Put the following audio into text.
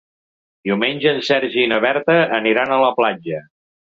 Diumenge en Sergi i na Berta aniran a la platja.